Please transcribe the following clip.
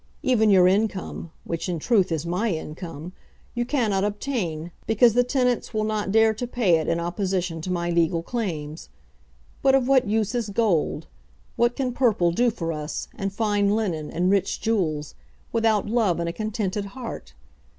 Even your income, which in truth is my income, you cannot obtain, because the tenants will not dare to pay it in opposition to my legal claims. But of what use is gold? What can purple do for us, and fine linen, and rich jewels, without love and a contented heart?